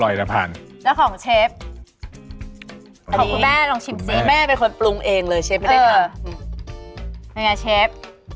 แล้วยังไงเชฟ